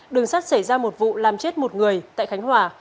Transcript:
đường sắt xảy ra một vụ làm chết một người tại khánh hòa